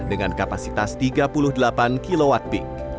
dengan kapasitas tiga puluh delapan kwp